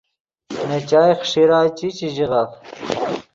نے چائے خݰیرا چی، چے ژییف